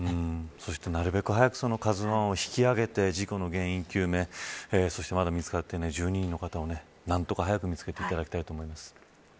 そして、なるべく早くＫＡＺＵ１を引き揚げて事故の原因究明そして、まだ見つかっていない１２人の方を何とか早く見つけていただきたいと思います。